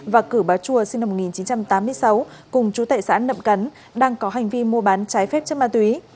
và cử bà chua sinh năm một nghìn chín trăm tám mươi sáu cùng chú tệ xã nậm cấn đang có hành vi mua bán trái phép chất ma túy